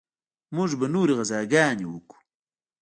موږ به نورې غزاګانې وکو.